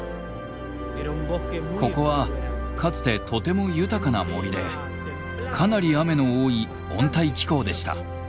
ここはかつてとても豊かな森でかなり雨の多い温帯気候でした。